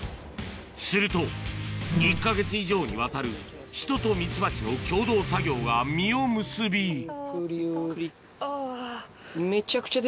すると１か月以上にわたる人とミツバチの共同作業が実を結びゆっくり。